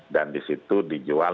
dan disitu dijual